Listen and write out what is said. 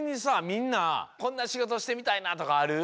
みんなこんなしごとしてみたいなとかある？